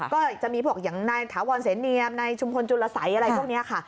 ก็จะมีพวกอย่างนายถาวรเสนเนียมนายชุมพลจุลสัยอะไรพวกนี้ค่ะ